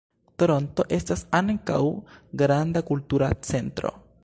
Toronto estas ankaŭ granda kultura centro.